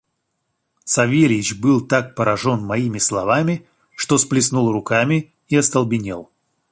Савельич так был поражен моими словами, что сплеснул руками и остолбенел.